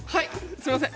すいません！